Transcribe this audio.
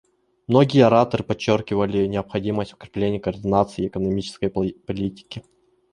Многие ораторы подчеркивали необходимость укрепления координации экономической политики.